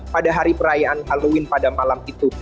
pada hari perayaan halloween pada malam itu